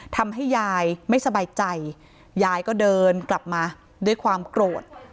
ทำให้ยายไม่สบายใจยายก็เดินกลับมาด้วยความโกรธ